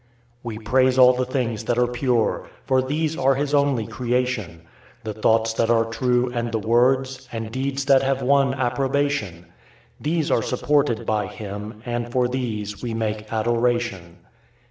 We praise all the things that are pure, for these are His only Creation; The thoughts that are true, and the words and deeds that have won approbation; These are supported by Him, and for these we make adoration.